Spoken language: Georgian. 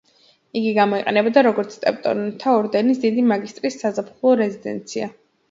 იგი გამოიყენებოდა, როგორც ტევტონთა ორდენის დიდი მაგისტრის საზაფხულო რეზიდენცია.